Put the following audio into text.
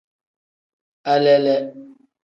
Alele.